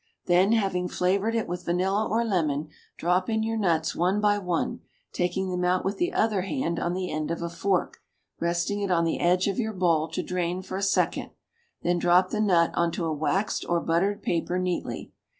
Then having flavored it with vanilla or lemon, drop in your nuts one by one, taking them out with the other hand on the end of a fork, resting it on the edge of your bowl to drain for a second, then drop the nut on to a waxed or buttered paper neatly.